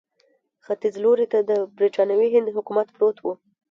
ختیځ لوري ته د برټانوي هند حکومت پروت وو.